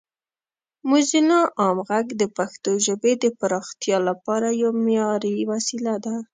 موزیلا عام غږ د پښتو ژبې د پراختیا لپاره یوه معیاري وسیله ده.